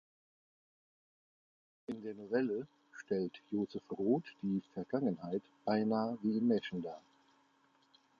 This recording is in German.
In der Novelle stellt Joseph Roth die "Vergangenheit" beinahe wie im Märchen dar.